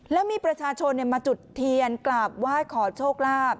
แล้วมีประชาชนมาจุดเทียนกราบไหว้ขอโชคลาภ